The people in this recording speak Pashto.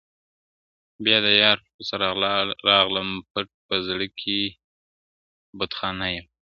بیا د یار پر کوڅه راغلم، پټ په زړه کي بتخانه یم،